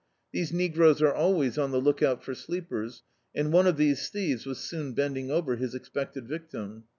These negroes are always on the look out for sleepers, and oat of these thieves was soon bending over his expected victim.